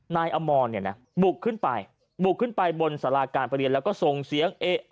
นายอามอนบุกขึ้นไป